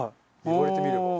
言われてみれば。